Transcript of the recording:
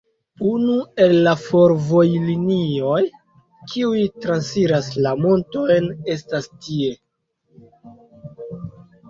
Unu el la fervojlinioj, kiuj transiras la montojn, estas tie.